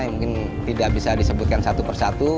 mungkin tidak bisa disebutkan satu persatu